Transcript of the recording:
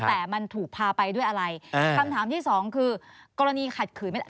แต่มันถูกพาไปด้วยอะไรคำถามที่สองคือกรณีขัดขืน